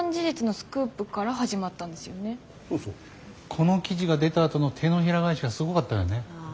この記事が出たあとの手のひら返しがすごかったわね。